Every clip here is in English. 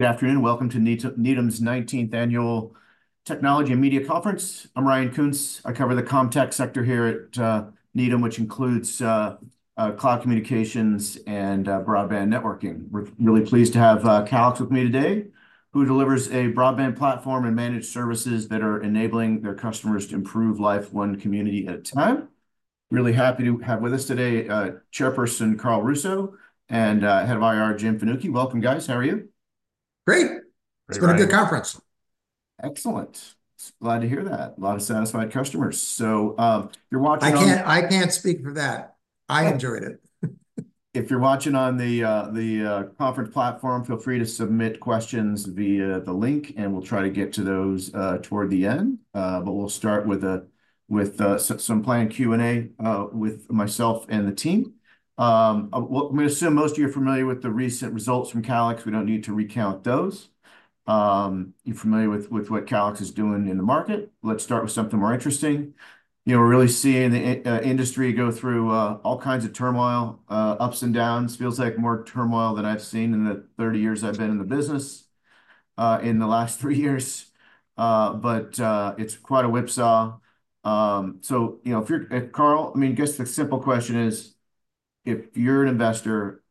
Good afternoon. Welcome to Needham's 19th Annual Technology and Media Conference. I'm Ryan Koontz. I cover the comm tech sector here at Needham, which includes cloud communications and broadband networking. We're really pleased to have Calix with me today, who delivers a broadband platform and managed services that are enabling their customers to improve life one community at a time. Really happy to have with us today Chairperson Carl Russo, and Head of IR, Jim Fanucchi. Welcome, guys. How are you? Great! Great. It's been a good conference. Excellent. Glad to hear that. A lot of satisfied customers. So, if you're watching on- I can't, I can't speak for that. I enjoyed it. If you're watching on the conference platform, feel free to submit questions via the link, and we'll try to get to those toward the end. But we'll start with some planned Q&A with myself and the team. Well, I'm gonna assume most of you are familiar with the recent results from Calix. We don't need to recount those. You're familiar with what Calix is doing in the market. Let's start with something more interesting. You know, we're really seeing the industry go through all kinds of turmoil, ups and downs. Feels like more turmoil than I've seen in the 30 years I've been in the business in the last 3 years, but it's quite a whipsaw. So, you know, if you're... Carl, I mean, I guess the simple question is, if you're an investor,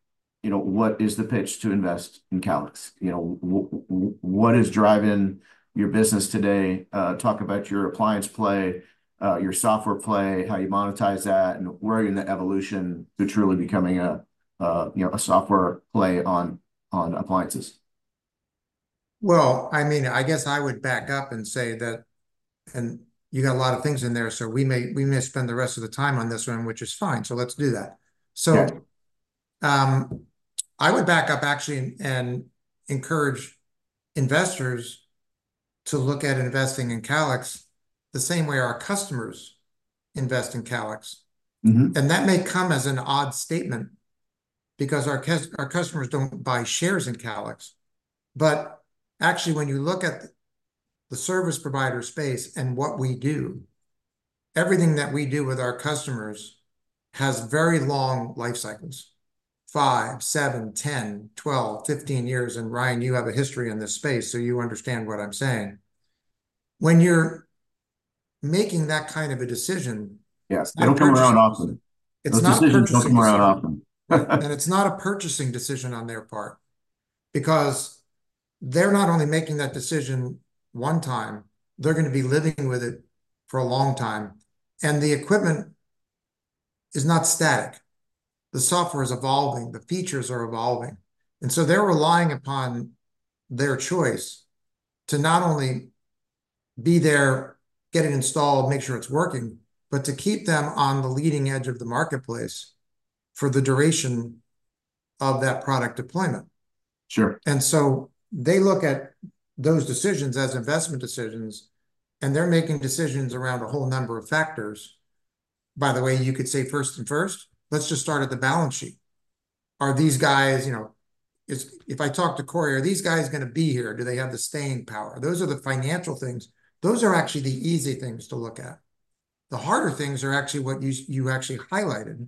you know, what is the pitch to invest in Calix? You know, what is driving your business today? Talk about your appliance play, your software play, how you monetize that, and where are you in the evolution to truly becoming a, you know, a software play on appliances? Well, I mean, I guess I would back up and say that... And you got a lot of things in there, so we may, we may spend the rest of the time on this one, which is fine, so let's do that. Yeah. I would back up, actually, and encourage investors to look at investing in Calix the same way our customers invest in Calix. Mm-hmm. That may come as an odd statement because our customers don't buy shares in Calix. But actually, when you look at the service provider space and what we do, everything that we do with our customers has very long life cycles, 5, 7, 10, 12, 15 years, and Ryan, you have a history in this space, so you understand what I'm saying. When you're making that kind of a decision- Yes, they don't come around often.... It's not purchasing. Those decisions don't come around often. And it's not a purchasing decision on their part, because they're not only making that decision one time, they're gonna be living with it for a long time. The equipment is not static. The software is evolving, the features are evolving, and so they're relying upon their choice to not only be there, get it installed, make sure it's working, but to keep them on the leading edge of the marketplace for the duration of that product deployment. Sure. And so they look at those decisions as investment decisions, and they're making decisions around a whole number of factors. By the way, you could say first and first, let's just start at the balance sheet. Are these guys... You know, if I talk to Cory, are these guys gonna be here? Do they have the staying power? Those are the financial things. Those are actually the easy things to look at. The harder things are actually what you actually highlighted,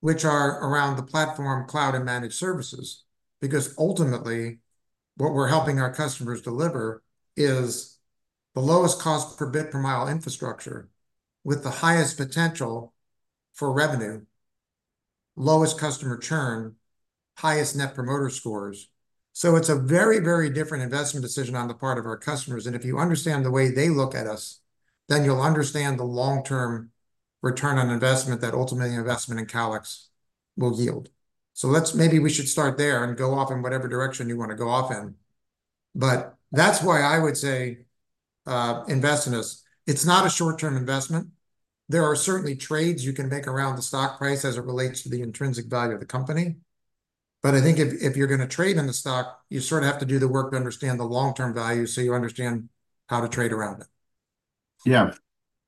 which are around the platform, cloud, and managed services. Because ultimately, what we're helping our customers deliver is the lowest cost per bit per mile infrastructure, with the highest potential for revenue, lowest customer churn, highest Net Promoter scores. So it's a very, very different investment decision on the part of our customers, and if you understand the way they look at us, then you'll understand the long-term return on investment that ultimately investment in Calix will yield. So let's, maybe we should start there and go off in whatever direction you wanna go off in. But that's why I would say, invest in us. It's not a short-term investment. There are certainly trades you can make around the stock price as it relates to the intrinsic value of the company, but I think if, if you're gonna trade in the stock, you sort of have to do the work to understand the long-term value, so you understand how to trade around it. Yeah.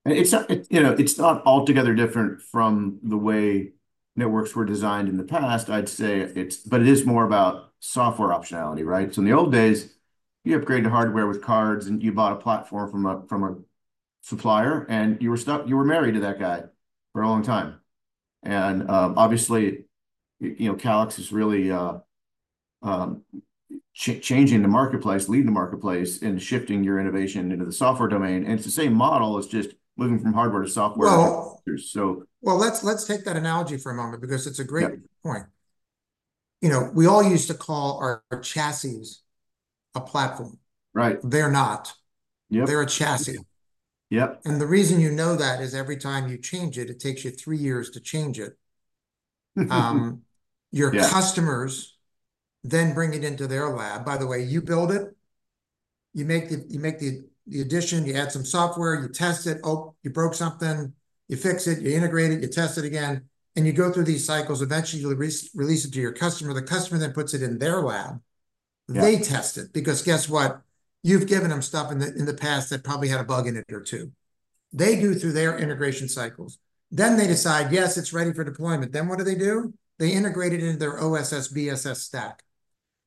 And it's not, you know, it's not altogether different from the way networks were designed in the past. I'd say it's... But it is more about software optionality, right? So in the old days, you upgraded hardware with cards, and you bought a platform from a supplier, and you were married to that guy for a long time. And, obviously, you know, Calix is really changing the marketplace, leading the marketplace, and shifting your innovation into the software domain. And it's the same model, it's just moving from hardware to software- Well- -so. Well, let's take that analogy for a moment because it's a great- Yeah... point. You know, we all used to call our chassis a platform. Right. They're not. Yep. They're a chassis. Yep. The reason you know that is every time you change it, it takes you three years to change it. Yeah. Your customers then bring it into their lab. By the way, you build it, you make the addition, you add some software, you test it. Oh, you broke something. You fix it, you integrate it, you test it again, and you go through these cycles. Eventually, you re-release it to your customer. The customer then puts it in their lab. Yeah. They test it, because guess what? You've given them stuff in the past that probably had a bug in it or two. They go through their integration cycles, then they decide, "Yes, it's ready for deployment." Then what do they do? They integrate it into their OSS/BSS stack.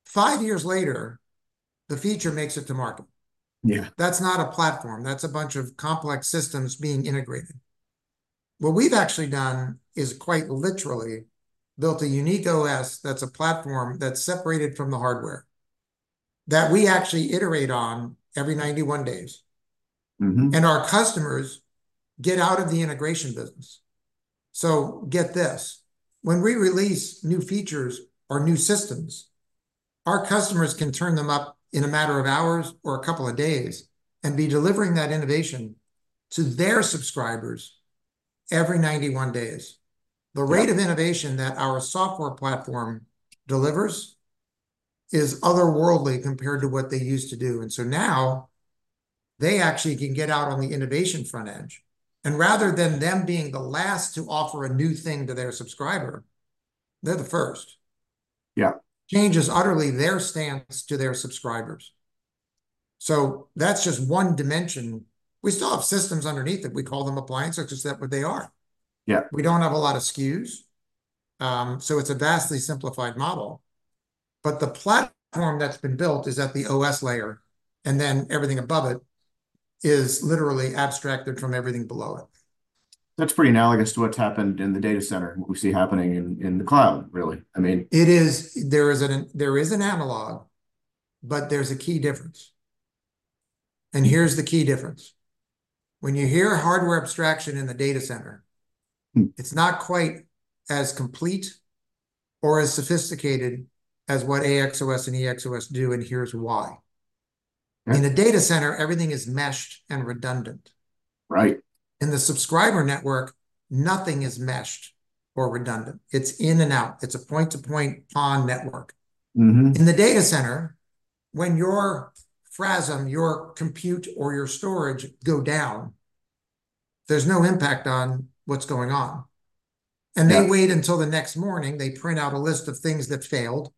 Five years later, the feature makes it to market. Yeah. That's not a platform. That's a bunch of complex systems being integrated.... What we've actually done is quite literally built a unique OS that's a platform that's separated from the hardware, that we actually iterate on every 91 days. Mm-hmm. Our customers get out of the integration business. So get this, when we release new features or new systems, our customers can turn them up in a matter of hours or a couple of days, and be delivering that innovation to their subscribers every 91 days. Yeah. The rate of innovation that our software platform delivers is otherworldly compared to what they used to do, and so now they actually can get out on the innovation front edge. And rather than them being the last to offer a new thing to their subscriber, they're the first. Yeah. Changes utterly their stance to their subscribers. So that's just one dimension. We still have systems underneath it, we call them appliances, 'cause that's what they are. Yeah. We don't have a lot of SKUs, so it's a vastly simplified model, but the platform that's been built is at the OS layer, and then everything above it is literally abstracted from everything below it. That's pretty analogous to what's happened in the data center, and what we see happening in the cloud, really. I mean- There is an analog, but there's a key difference, and here's the key difference: when you hear hardware abstraction in the data center. Mm... it's not quite as complete or as sophisticated as what AXOS and EXOS do, and here's why. Okay. In the data center, everything is meshed and redundant. Right. In the subscriber network, nothing is meshed or redundant. It's in and out. It's a point-to-point PON network. Mm-hmm. In the data center, when your fabric, your compute, or your storage go down, there's no impact on what's going on. Right. They wait until the next morning, they print out a list of things that failed,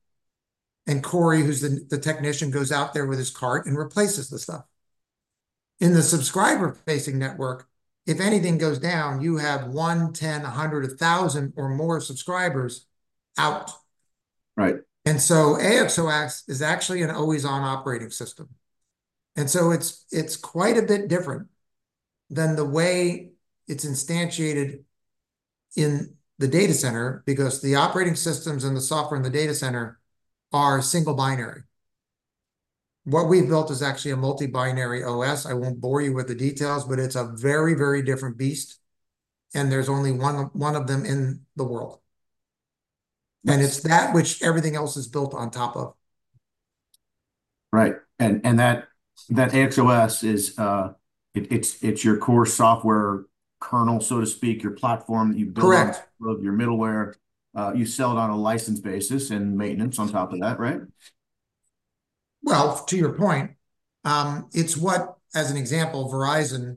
and Cory, who's the technician, goes out there with his cart and replaces the stuff. In the subscriber-facing network, if anything goes down, you have one, 10, 100, 1,000 or more subscribers out. Right. AXOS is actually an always-on operating system, and so it's, it's quite a bit different than the way it's instantiated in the data center, because the operating systems and the software in the data center are single binary. What we've built is actually a multi-binary OS. I won't bore you with the details, but it's a very, very different beast, and there's only one of, one of them in the world. And it's that which everything else is built on top of. Right, and that AXOS is. It's your core software kernel, so to speak, your platform that you've built- Correct... your middleware. You sell it on a license basis, and maintenance on top of that, right? Well, to your point, as an example, Verizon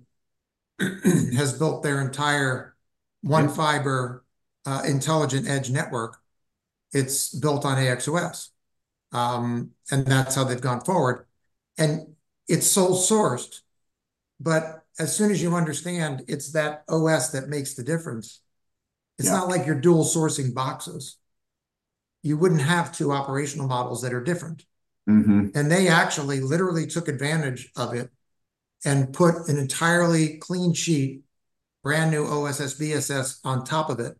has built their entire One Fiber Intelligent Edge Network. It's built on AXOS. And that's how they've gone forward, and it's sole sourced. But as soon as you understand it's that OS that makes the difference- Yeah... it's not like you're dual sourcing boxes. You wouldn't have two operational models that are different. Mm-hmm. They actually literally took advantage of it and put an entirely clean sheet, brand new OSS/BSS on top of it.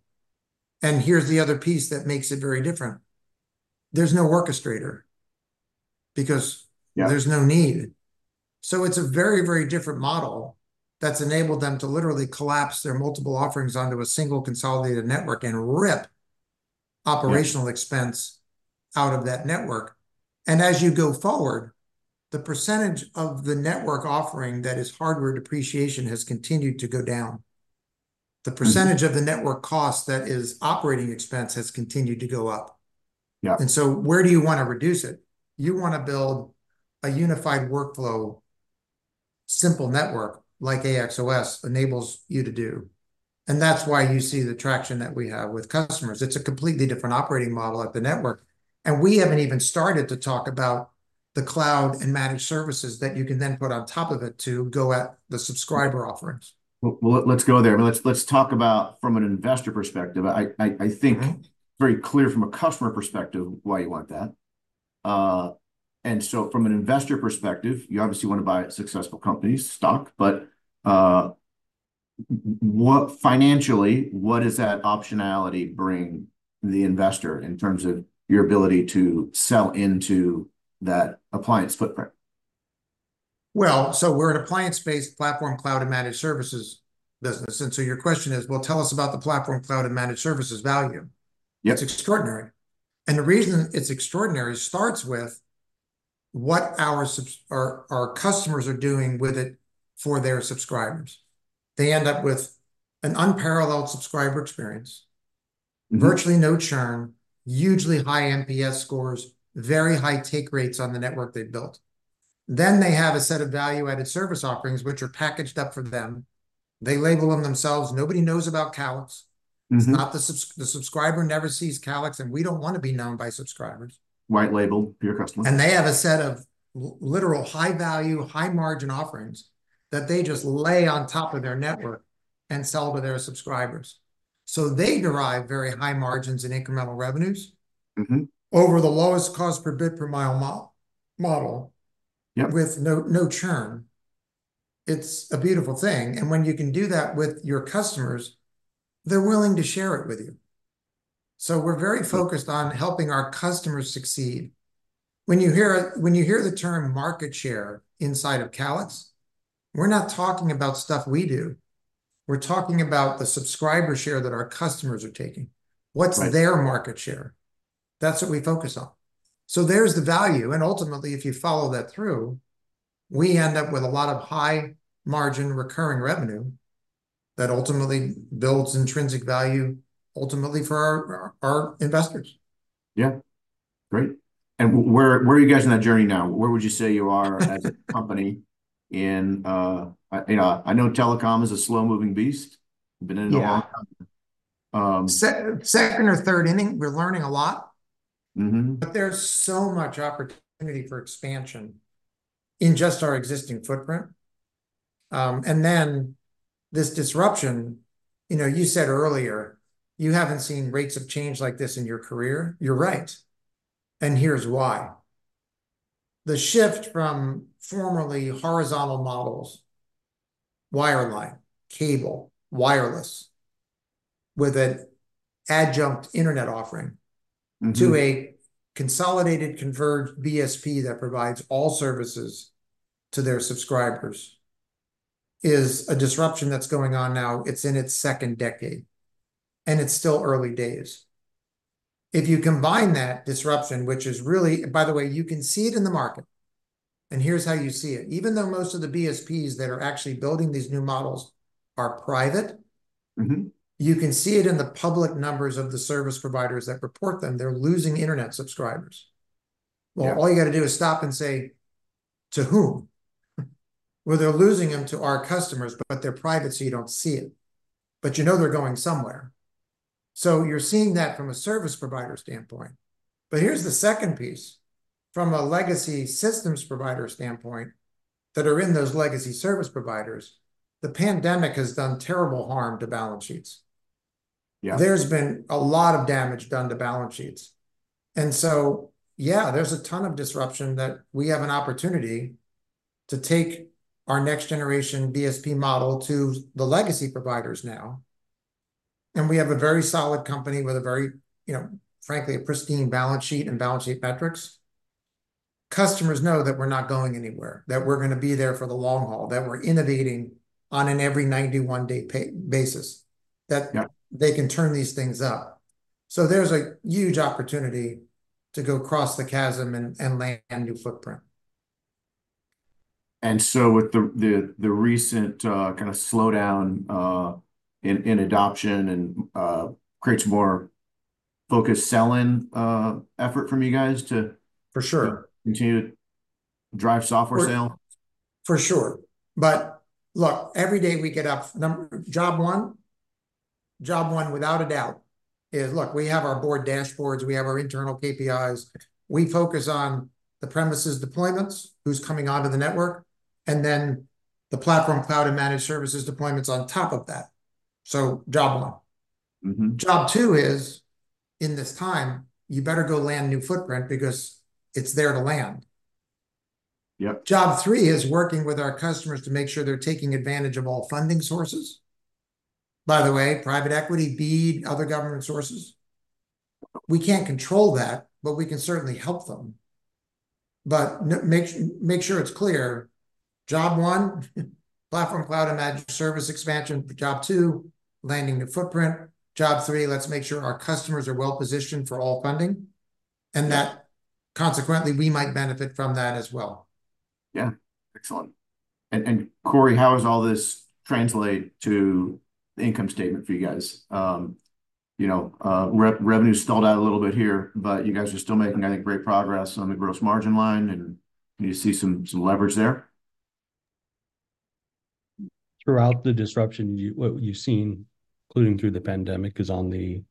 Here's the other piece that makes it very different: there's no orchestrator, because- Yeah... there's no need. So it's a very, very different model that's enabled them to literally collapse their multiple offerings onto a single consolidated network and rip- Yeah... operational expense out of that network. As you go forward, the percentage of the network offering that is hardware depreciation has continued to go down. Mm. The percentage of the network cost that is operating expense has continued to go up. Yeah. Where do you wanna reduce it? You wanna build a unified workflow, simple network, like AXOS enables you to do, and that's why you see the traction that we have with customers. It's a completely different operating model at the network, and we haven't even started to talk about the cloud and managed services that you can then put on top of it to go at the subscriber offerings. Well, well, let's go there. Let's talk about from an investor perspective. I think- Mm-hmm... very clear from a customer perspective why you want that. And so from an investor perspective, you obviously wanna buy a successful company's stock, but, financially, what does that optionality bring the investor in terms of your ability to sell into that appliance footprint? Well, so we're an appliance-based platform, cloud and managed services business, and so your question is, "Well, tell us about the platform, cloud, and managed services value. Yeah. It's extraordinary, and the reason it's extraordinary starts with what our customers are doing with it for their subscribers. They end up with an unparalleled subscriber experience- Mm-hmm... virtually no churn, hugely high NPS scores, very high take rates on the network they've built. Then they have a set of value-added service offerings, which are packaged up for them. They label them themselves. Nobody knows about Calix. Mm-hmm. It's not the subscriber never sees Calix, and we don't wanna be known by subscribers. White label to your customers. They have a set of literal high-value, high-margin offerings that they just lay on top of their network. Yeah... and sell to their subscribers. So they derive very high margins and incremental revenues- Mm-hmm... over the lowest cost per bit, per mile model with no, no churn, it's a beautiful thing. And when you can do that with your customers, they're willing to share it with you. So we're very focused on helping our customers succeed. When you hear, when you hear the term market share inside of Calix, we're not talking about stuff we do. We're talking about the subscriber share that our customers are taking. Right. What's their market share? That's what we focus on. There's the value, and ultimately, if you follow that through, we end up with a lot of high-margin recurring revenue that ultimately builds intrinsic value ultimately for our, our investors. Yeah. Great. And where, where are you guys in that journey now? Where would you say you are as a company in... you know, I know telecom is a slow-moving beast. Been in it a long time. Yeah. Um- Second or third inning, we're learning a lot. Mm-hmm. But there's so much opportunity for expansion in just our existing footprint. This disruption, you know, you said earlier you haven't seen rates of change like this in your career. You're right, and here's why. The shift from formerly horizontal models, wireline, cable, wireless, with an adjunct internet offering... Mm-hmm ...to a consolidated, converged BSP that provides all services to their subscribers, is a disruption that's going on now. It's in its second decade, and it's still early days. If you combine that disruption, which is really... By the way, you can see it in the market, and here's how you see it. Even though most of the BSPs that are actually building these new models are private- Mm-hmm... you can see it in the public numbers of the service providers that report them. They're losing internet subscribers. Yeah. Well, all you gotta do is stop and say, "To whom?" Well, they're losing them to our customers, but they're private, so you don't see it, but you know they're going somewhere. So you're seeing that from a service provider standpoint. But here's the second piece. From a legacy systems provider standpoint, that are in those legacy service providers, the pandemic has done terrible harm to balance sheets. Yeah. There's been a lot of damage done to balance sheets. So, yeah, there's a ton of disruption that we have an opportunity to take our next-generation BSP model to the legacy providers now, and we have a very solid company with a very, you know, frankly, a pristine balance sheet and balance sheet metrics. Customers know that we're not going anywhere, that we're gonna be there for the long haul, that we're innovating on an every 91-day basis. Yeah. That they can turn these things up. So there's a huge opportunity to go across the chasm and lay a new footprint. And so with the recent kind of slowdown in adoption and creates more focused sell-in effort from you guys to- For sure ... continue to drive software sale? For sure. But, look, every day we get up, job one, job one, without a doubt, is... Look, we have our board dashboards, we have our internal KPIs. We focus on the premises deployments, who's coming onto the network, and then the platform, cloud, and managed services deployments on top of that. So job one. Mm-hmm. Job two is, in this time, you better go land new footprint because it's there to land. Yep. Job three is working with our customers to make sure they're taking advantage of all funding sources. By the way, private equity, BEAD, other government sources. We can't control that, but we can certainly help them. But make sure it's clear, job one, platform, cloud, and managed service expansion. Job two, landing the footprint. Job three, let's make sure our customers are well-positioned for all funding, and that consequently, we might benefit from that as well. Yeah. Excellent. And, Cory, how does all this translate to the income statement for you guys? You know, revenue stalled out a little bit here, but you guys are still making, I think, great progress on the gross margin line, and do you see some leverage there? Throughout the disruption, what you've seen, including through the pandemic, is on the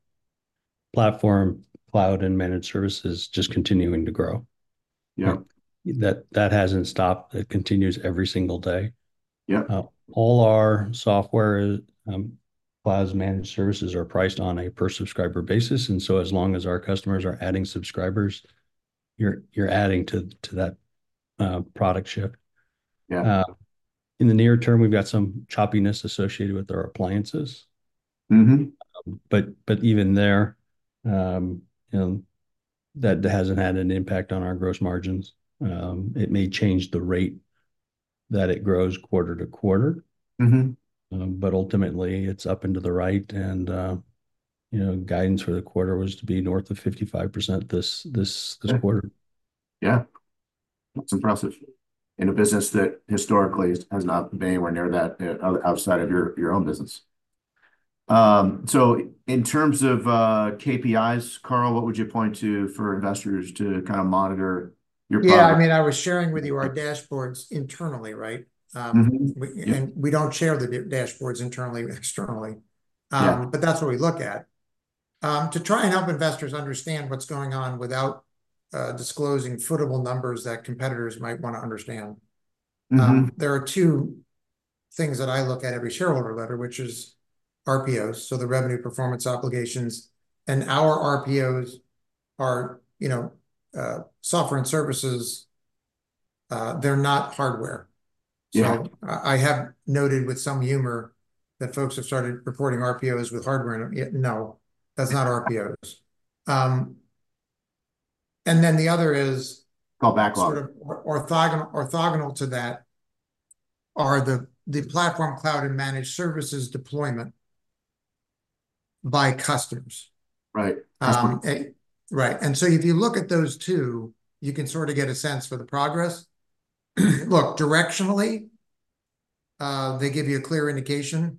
platform, cloud, and managed services just continuing to grow. Yeah. That, that hasn't stopped. It continues every single day. Yep. All our software, cloud managed services are priced on a per-subscriber basis, and so as long as our customers are adding subscribers, you're adding to that product ship. Yeah. In the near term, we've got some choppiness associated with our appliances. Mm-hmm. But even there, you know, that hasn't had an impact on our gross margins. It may change the rate that it grows quarter to quarter- Mm-hmm... but ultimately, it's up and to the right, and, you know, guidance for the quarter was to be north of 55% this quarter. Yeah. That's impressive. In a business that historically has not been anywhere near that, outside of your own business. So in terms of KPIs, Carl, what would you point to for investors to kind of monitor your progress? Yeah, I mean, I was sharing with you our dashboards internally, right? Mm-hmm. Yeah. We don't share the dashboards internally externally. Yeah. But that's what we look at. To try and help investors understand what's going on without disclosing footprint numbers that competitors might wanna understand- Mm-hmm... there are two things that I look at every shareholder letter, which is RPOs, so the revenue performance obligations. And our RPOs are, you know, software and services. They're not hardware. Yeah. So I have noted with some humor that folks have started reporting RPOs with hardware, and yet, no, that's not RPOs. And then the other is- Well, backlog Sort of orthogonal to that are the platform cloud and managed services deployment by customers. Right, um- Right. And so if you look at those two, you can sort of get a sense for the progress. Look, directionally, they give you a clear indication.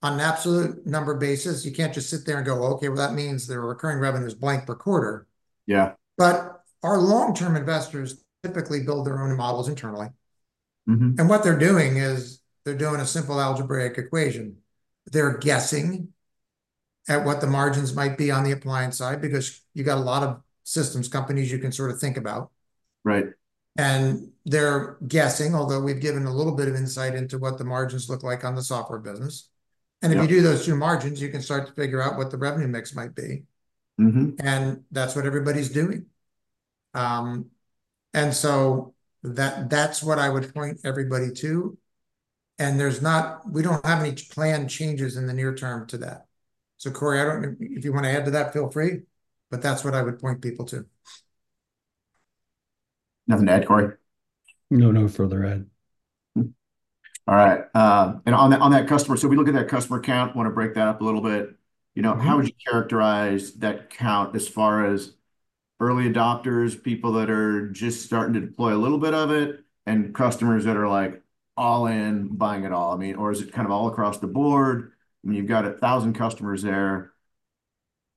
On an absolute number basis, you can't just sit there and go, "Okay, well, that means their recurring revenue is blank per quarter. Yeah. Our long-term investors typically build their own models internally. Mm-hmm. What they're doing is they're doing a simple algebraic equation. They're guessing at what the margins might be on the appliance side, because you've got a lot of systems companies you can sort of think about. Right. They're guessing, although we've given a little bit of insight into what the margins look like on the software business. Yeah. If you do those two margins, you can start to figure out what the revenue mix might be. Mm-hmm. That's what everybody's doing. And so that, that's what I would point everybody to, and we don't have any planned changes in the near term to that. So, Cory, I don't know, if you want to add to that, feel free, but that's what I would point people to. Nothing to add, Cory? No, no further add. Hmm. All right, and on that, on that customer, so we look at that customer count, want to break that up a little bit. Mm-hmm. You know, how would you characterize that count as far as early adopters, people that are just starting to deploy a little bit of it, and customers that are, like, all in, buying it all? I mean, or is it kind of all across the board? I mean, you've got 1,000 customers there.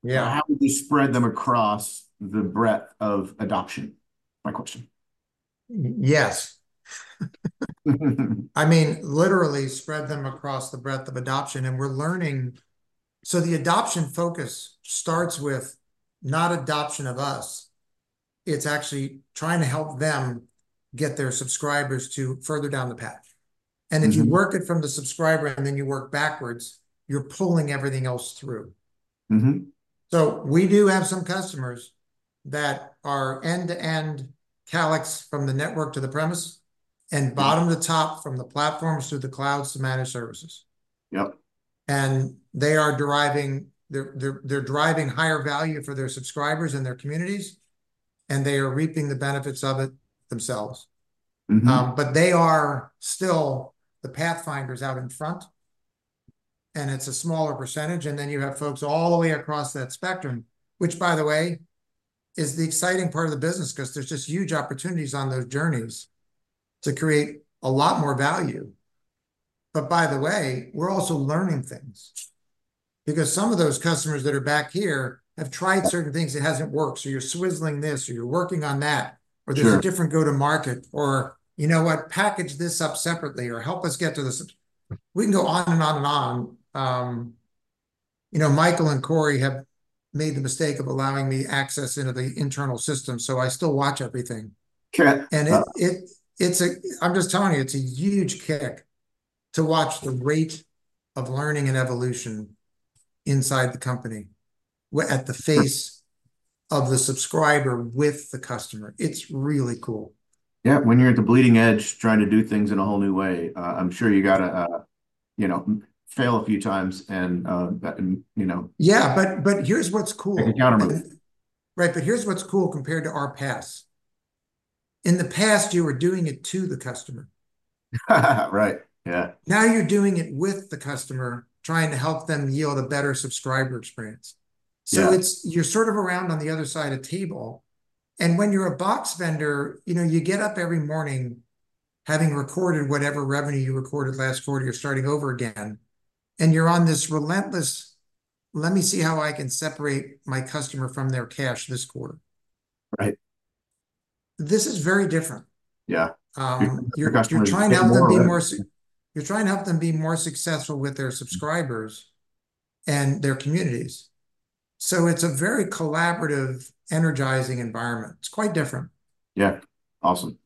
Yeah. How would you spread them across the breadth of adoption? My question. Yes. I mean, literally spread them across the breadth of adoption, and we're learning. So the adoption focus starts with not adoption of us. It's actually trying to help them get their subscribers to further down the path. Mm-hmm. If you work it from the subscriber and then you work backwards, you're pulling everything else through. Mm-hmm. So we do have some customers that are end-to-end Calix from the network to the premise, and bottom to top from the platforms through the cloud to managed services. Yep. And they're driving higher value for their subscribers and their communities, and they are reaping the benefits of it themselves. Mm-hmm. But they are still the pathfinders out in front, and it's a smaller percentage. And then you have folks all the way across that spectrum, which, by the way, is the exciting part of the business, 'cause there's just huge opportunities on those journeys to create a lot more value. But by the way, we're also learning things, because some of those customers that are back here have tried certain things, it hasn't worked, so you're swizzling this or you're working on that- Sure... or there's a different go-to-market, or, "You know what? Package this up separately, or help us get to this." We can go on and on and on. You know, Michael and Cory have made the mistake of allowing me access into the internal system, so I still watch everything. Sure. I'm just telling you, it's a huge kick to watch the rate of learning and evolution inside the company at the face of the subscriber with the customer. It's really cool. Yeah, when you're at the bleeding edge, trying to do things in a whole new way, I'm sure you gotta, you know, fail a few times and, you know... Yeah, but here's what's cool- Make a counter move. Right. But here's what's cool compared to our past. In the past, you were doing it to the customer. Right. Yeah. Now you're doing it with the customer, trying to help them yield a better subscriber experience. Yeah. So it's, you're sort of around on the other side of the table, and when you're a box vendor, you know, you get up every morning having recorded whatever revenue you recorded last quarter, you're starting over again, and you're on this relentless, "Let me see how I can separate my customer from their cash this quarter. Right. This is very different. Yeah. Um- The customer is more with it.... you're trying to help them be more successful with their subscribers and their communities. So it's a very collaborative, energizing environment. It's quite different. Yeah. Awesome.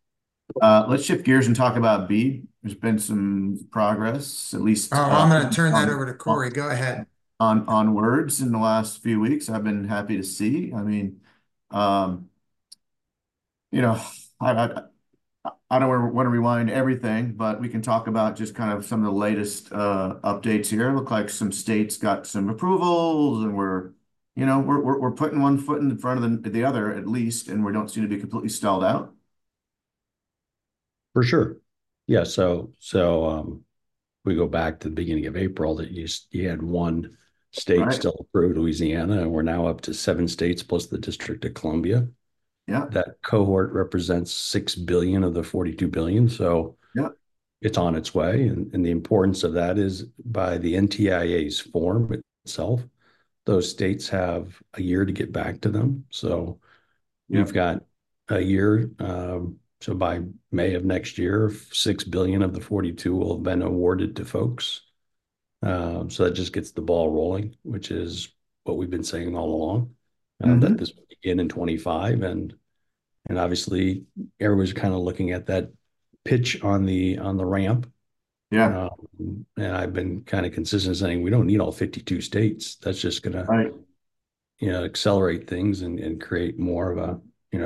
Let's shift gears and talk about BEAD. There's been some progress, at least, on- Oh, I'm gonna turn that over to Cory. Go ahead.... onwards in the last few weeks, I've been happy to see. I mean, you know, I don't want to rewind everything, but we can talk about just kind of some of the latest updates here. Looks like some states got some approvals, and we're, you know, putting one foot in front of the other at least, and we don't seem to be completely stalled out. For sure. Yeah, so, we go back to the beginning of April, that you just, you had one state- Right... still approved, Louisiana, and we're now up to seven states, plus the District of Columbia. Yeah. That cohort represents $6 billion of the $42 billion, so- Yeah... it's on its way, and the importance of that is by the NTIA's form itself, those states have a year to get back to them. So- Yeah... you've got a year, so by May of next year, $6 billion of the $42 billion will have been awarded to folks. So that just gets the ball rolling, which is what we've been saying all along- Mm-hmm. that this will begin in 2025, and obviously everybody's kind of looking at that pitch on the ramp. Yeah. I've been kind of consistent in saying, "We don't need all 52 states. That's just gonna- Right... you know, accelerate things and create more of a, you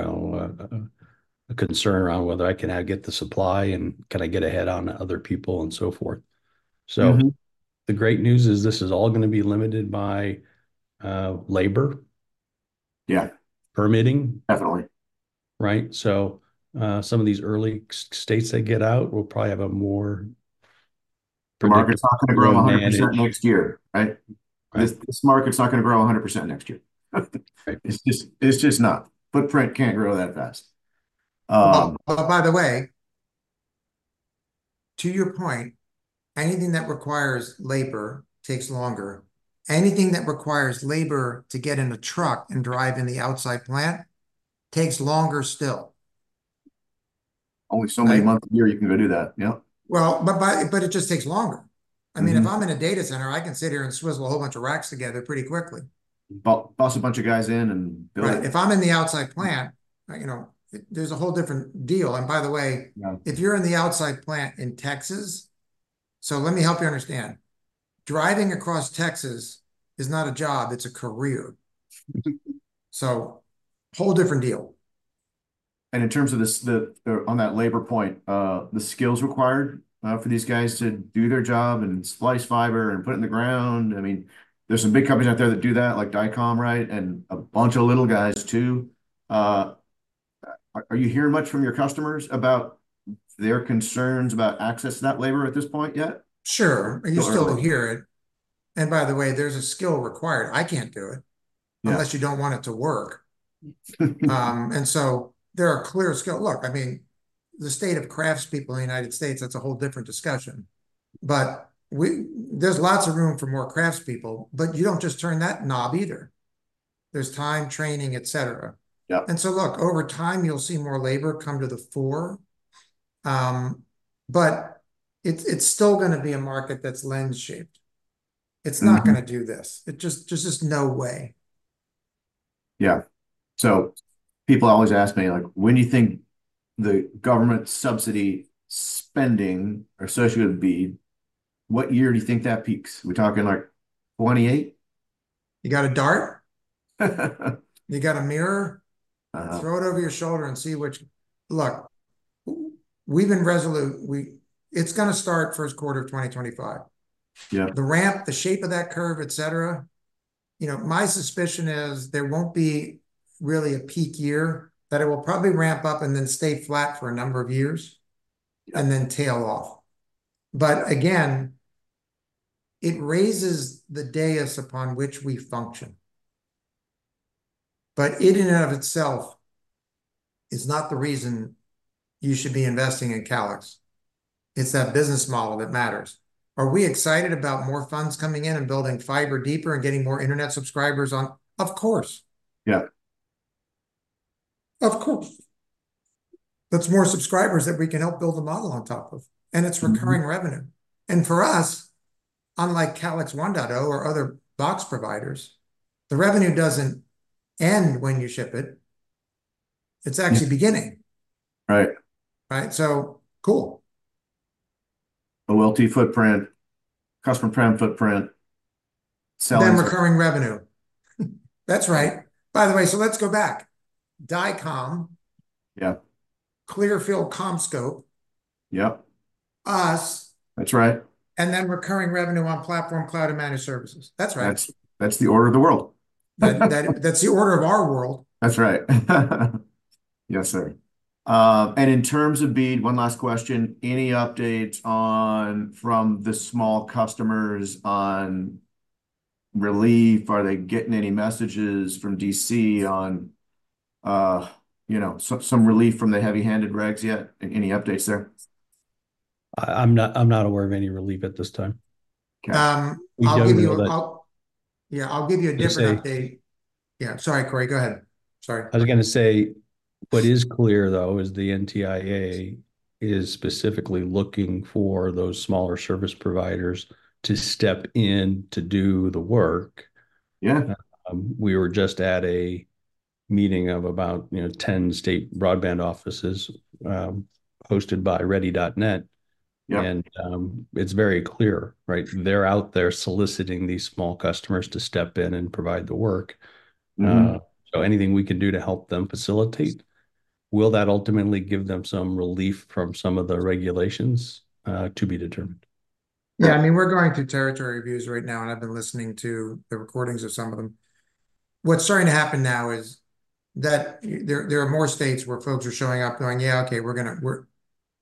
know, a concern around whether I can now get the supply, and can I get ahead on other people, and so forth. Mm-hmm. So the great news is this is all gonna be limited by labor- Yeah... permitting. Definitely. Right? So, some of these early access states that get out will probably have a more- The market's not gonna grow 100% next year, right? Right. This market's not gonna grow 100% next year. Right. It's just, it's just not. Footprint can't grow that fast. Oh, oh, by the way, to your point, anything that requires labor takes longer. Anything that requires labor to get in a truck and drive in the outside plant takes longer still. Only so many months a year you can go do that, yep. Well, but it just takes longer. Mm-hmm. I mean, if I'm in a data center, I can sit here and swizzle a whole bunch of racks together pretty quickly. Bust a bunch of guys in and build it. Right. If I'm in the outside plant, you know, there's a whole different deal. And by the way- Right... if you're in the outside plant in Texas... So let me help you understand, driving across Texas is not a job, it's a career. So whole different deal. And in terms of this, on that labor point, the skills required for these guys to do their job and splice fiber and put it in the ground, I mean, there's some big companies out there that do that, like Dycom, right, and a bunch of little guys, too. Are you hearing much from your customers about their concerns about access to that labor at this point yet? Sure, and you still hear it. All right. And by the way, there's a skill required. I can't do it- Yeah... unless you don't want it to work. And so there are clear skill-look, I mean, the state of craftspeople in the United States, that's a whole different discussion. But there's lots of room for more craftspeople, but you don't just turn that knob either. There's time, training, et cetera. Yep. And so, look, over time, you'll see more labor come to the fore. But it's still gonna be a market that's lens-shaped. Mm-hmm. It's not gonna do this. It just, there's just no way. Yeah. So people always ask me, like: "When do you think the government subsidy spending or associated BEAD, what year do you think that peaks?" We talking, like, 2028? You got a dart? You got a mirror? Uh-huh. Throw it over your shoulder and see which... Look, we've been resolute. It's gonna start first quarter of 2025. Yeah. The ramp, the shape of that curve, et cetera, you know, my suspicion is there won't be really a peak year, that it will probably ramp up and then stay flat for a number of years. Yeah... and then tail off. But again, it raises the dais upon which we function. But it, in and of itself, is not the reason you should be investing in Calix. It's that business model that matters. Are we excited about more funds coming in and building fiber deeper and getting more internet subscribers on? Of course. Yeah. Of course. That's more subscribers that we can help build a model on top of- Mm-hmm... it's recurring revenue. For us, unlike Calix 1.0 or other box providers, the revenue doesn't end when you ship it, it's actually beginning. Yeah. Right. Right? So, cool. OLT footprint, customer prem footprint, selling- Then recurring revenue. That's right. By the way, so let's go back. Dycom- Yeah. Clearfield CommScope- Yep... us- That's right... and then recurring revenue on platform, cloud, and managed services. That's right. That's, that's the order of the world. That's the order of our world. That's right. Yes, sir. And in terms of BEAD, one last question, any updates on, from the small customers on relief? Are they getting any messages from D.C. on, you know, some relief from the heavy-handed regs yet? Any updates there? I'm not aware of any relief at this time. Okay. I'll give you a- We don't know that- Yeah, I'll give you a different update. I was gonna say- Yeah, sorry, Cory, go ahead. Sorry. I was gonna say, what is clear, though, is the NTIA is specifically looking for those smaller service providers to step in to do the work. Yeah. We were just at a meeting of about, you know, 10 state broadband offices, hosted by Ready.net. Yeah. It's very clear, right? They're out there soliciting these small customers to step in and provide the work. Mm-hmm. So, anything we can do to help them facilitate, will that ultimately give them some relief from some of the regulations? To be determined. Yeah. Yeah, I mean, we're going through territory reviews right now, and I've been listening to the recordings of some of them. What's starting to happen now is that there are more states where folks are showing up, going, "Yeah, okay, we're gonna...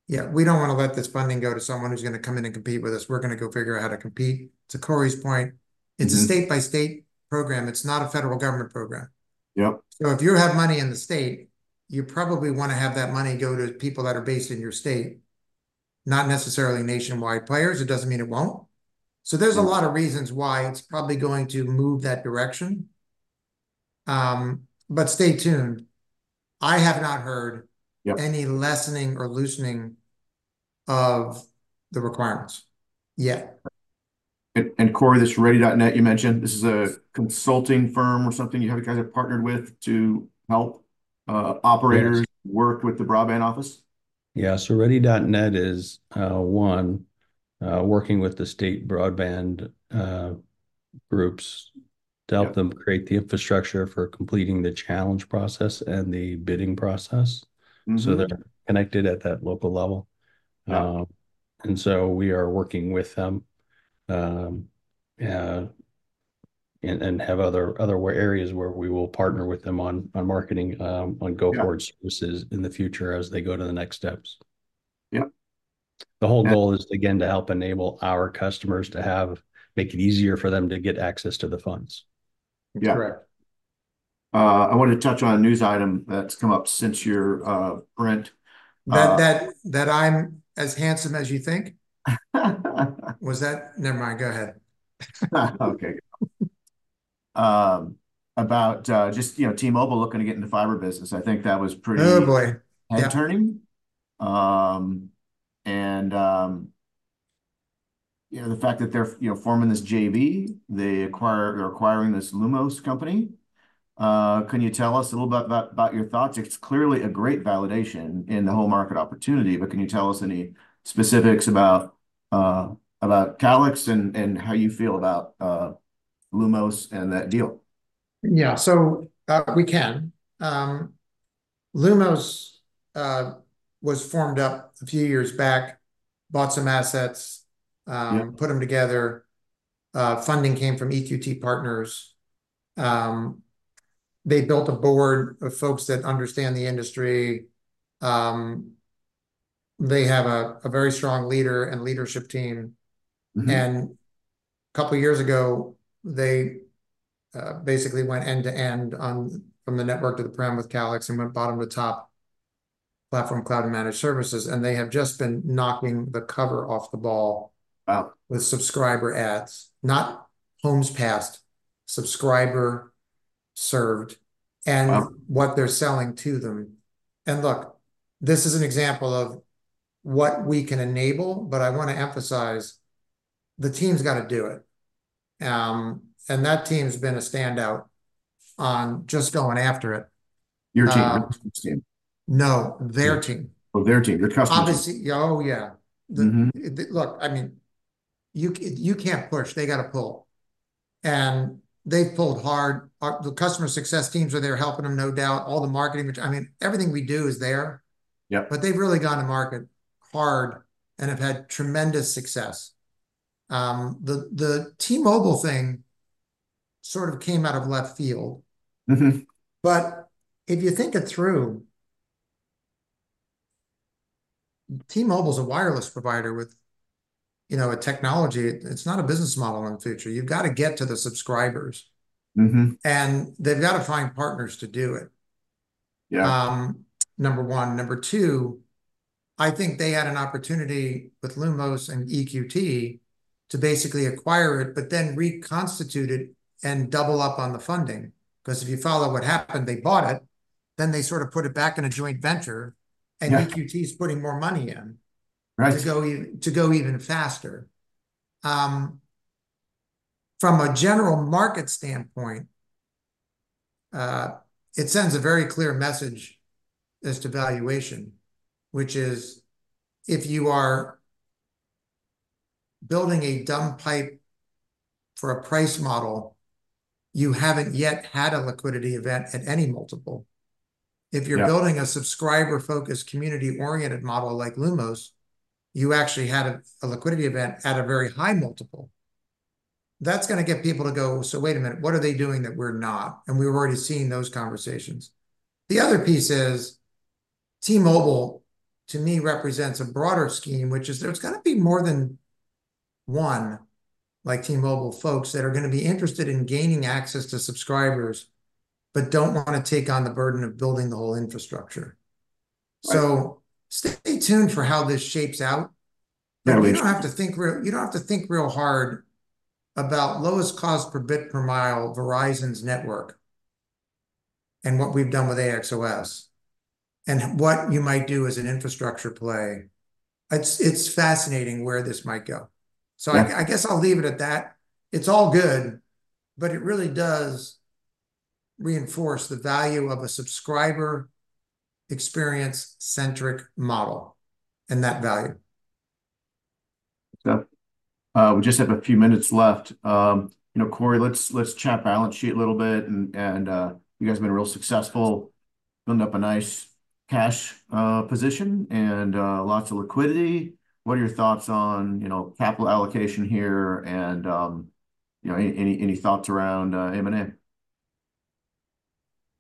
yeah, we don't wanna let this funding go to someone who's gonna come in and compete with us. We're gonna go figure out how to compete." To Corey's point- Mm-hmm... it's a state-by-state program. It's not a federal government program. Yep. So if you have money in the state, you probably wanna have that money go to people that are based in your state, not necessarily nationwide players. It doesn't mean it won't. Mm. So there's a lot of reasons why it's probably going to move that direction... but stay tuned. I have not heard- Yep. any lessening or loosening of the requirements yet. And Cory, this Ready.net you mentioned, this is a consulting firm or something you guys have partnered with to help operators- Yes. Work with the broadband office? Yeah, so Ready.net is working with the state broadband groups- Yep to help them create the infrastructure for completing the challenge process and the bidding process. Mm-hmm. They're connected at that local level. Yeah. And so we are working with them, and have other areas where we will partner with them on marketing, on go- Yeah forward services in the future as they go to the next steps. Yep. The whole goal is, again, to help enable our customers to make it easier for them to get access to the funds. Yeah. That's correct. I wanted to touch on a news item that's come up since your, Brent, That I'm as handsome as you think? Was that... Never mind. Go ahead. Okay. About just, you know, T-Mobile looking to get into fiber business. I think that was pretty- Oh, boy! Yep.... head-turning. And you know, the fact that they're forming this JV, they're acquiring this Lumos company. Can you tell us a little about that, about your thoughts? It's clearly a great validation in the whole market opportunity, but can you tell us any specifics about, about Calix and, and how you feel about, Lumos and that deal? Yeah, so, we can. Lumos was formed up a few years back, bought some assets- Yep... put them together. Funding came from EQT Partners. They built a board of folks that understand the industry. They have a very strong leader and leadership team. Mm-hmm. A couple of years ago, they basically went end to end from the network to the prem with Calix and went bottom to top platform, cloud, and managed services, and they have just been knocking the cover off the ball- Wow... with subscriber adds, not homes passed, subscriber served- Wow and what they're selling to them. Look, this is an example of what we can enable, but I want to emphasize the team's got to do it. That team's been a standout on just going after it. Your team or their team? No, their team. Oh, their team. Their customer team. Obviously. Oh, yeah. Mm-hmm. Look, I mean, you can't push, they got to pull, and they've pulled hard. The customer success teams are there helping them, no doubt. All the marketing, which, I mean, everything we do is there. Yep. But they've really gone to market hard and have had tremendous success. The T-Mobile thing sort of came out of left field. Mm-hmm. But if you think it through, T-Mobile's a wireless provider with, you know, a technology. It's not a business model in the future. You've got to get to the subscribers- Mm-hmm... and they've got to find partners to do it. Yeah. 1. 2, I think they had an opportunity with Lumos and EQT to basically acquire it, but then reconstitute it and double up on the funding. 'Cause if you follow what happened, they bought it, then they sort of put it back in a joint venture- Yeah... and EQT is putting more money in- Right... to go even, to go even faster. From a general market standpoint, it sends a very clear message as to valuation, which is, if you are building a dumb pipe for a price model, you haven't yet had a liquidity event at any multiple. Yeah. If you're building a subscriber-focused, community-oriented model like Lumos, you actually had a liquidity event at a very high multiple. That's gonna get people to go, "So wait a minute, what are they doing that we're not?" And we're already seeing those conversations. The other piece is, T-Mobile, to me, represents a broader scheme, which is there's gonna be more than one, like T-Mobile, folks that are gonna be interested in gaining access to subscribers but don't want to take on the burden of building the whole infrastructure. Right. Stay tuned for how this shapes out. No, we should- You don't have to think real, you don't have to think real hard about lowest cost per bit per mile, Verizon's network, and what we've done with AXOS, and what you might do as an infrastructure play. It's, it's fascinating where this might go. Yeah. So I guess I'll leave it at that. It's all good, but it really does reinforce the value of a subscriber experience-centric model and that value. Yeah. We just have a few minutes left. You know, Cory, let's chat balance sheet a little bit and you guys have been real successful, building up a nice cash position and lots of liquidity. What are your thoughts on, you know, capital allocation here and you know, any thoughts around M&A?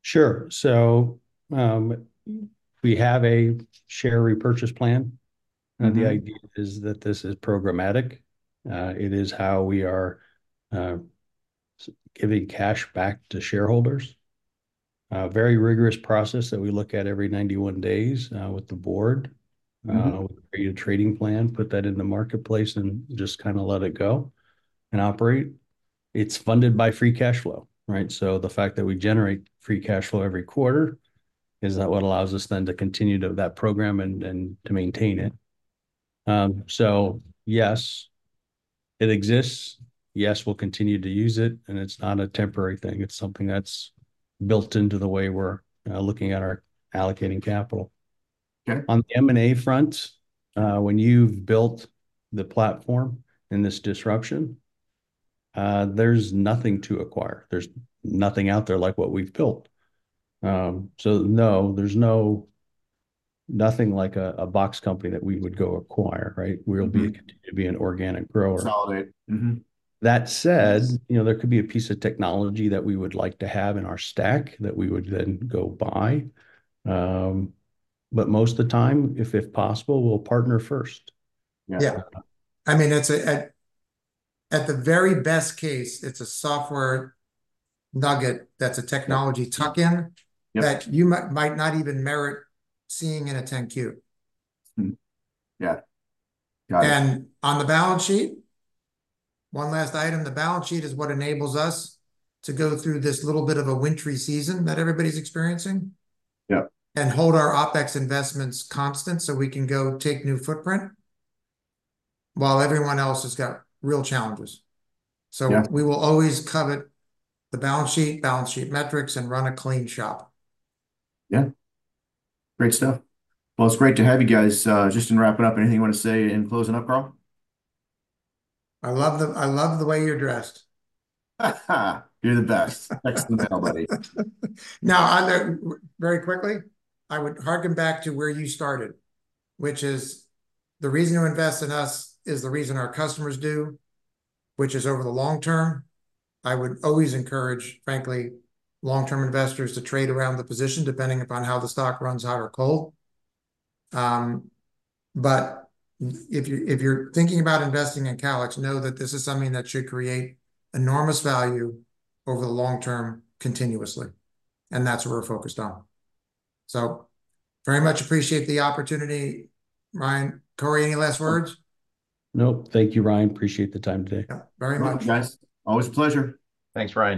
Sure. So, we have a share repurchase plan- Mm-hmm. The idea is that this is programmatic. It is how we are giving cash back to shareholders, very rigorous process that we look at every 91 days with the board. Mm-hmm. We create a trading plan, put that in the marketplace, and just kind of let it go and operate. It's funded by free cash flow, right? So the fact that we generate free cash flow every quarter is that what allows us then to continue to have that program and to maintain it. So yes, it exists. Yes, we'll continue to use it, and it's not a temporary thing. It's something that's built into the way we're looking at our allocating capital. Okay. On the M&A front, when you've built the platform in this disruption, there's nothing to acquire. There's nothing out there like what we've built. So no, there's nothing like a box company that we would go acquire, right? Mm-hmm. We'll continue to be an organic grower. Solid. Mm-hmm. That said, you know, there could be a piece of technology that we would like to have in our stack that we would then go buy. But most of the time, if possible, we'll partner first. Yeah. Yeah. I mean, it's at the very best case, it's a software nugget that's a technology tuck-in- Yeah ... that you might not even merit seeing in a 10-Q. Mm-hmm. Yeah. Got it. On the balance sheet, one last item, the balance sheet is what enables us to go through this little bit of a wintry season that everybody's experiencing. Yep... and hold our OpEx investments constant, so we can go take new footprint, while everyone else has got real challenges. Yeah. We will always covet the balance sheet, balance sheet metrics, and run a clean shop. Yeah. Great stuff. Well, it's great to have you guys. Just in wrapping up, anything you wanna say in closing up, Carl? I love the way you're dressed. You're the best. Excellent, pal, buddy. Now, very quickly, I would harken back to where you started, which is the reason you invest in us is the reason our customers do, which is over the long term. I would always encourage, frankly, long-term investors to trade around the position, depending upon how the stock runs hot or cold. But if you're thinking about investing in Calix, know that this is something that should create enormous value over the long term, continuously, and that's what we're focused on. So very much appreciate the opportunity, Ryan. Cory, any last words? Nope. Thank you, Ryan. Appreciate the time today. Yeah, very much. Thanks, guys. Always a pleasure. Thanks, Ryan